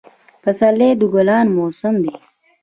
پسرلی د ګلانو موسم دی